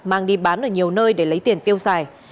mang đi bán ở nhiều nơi để lấy tiền tiêu xài